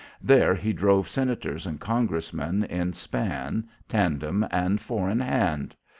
There he drove Senators and Congressmen in span, tandem and four in hand.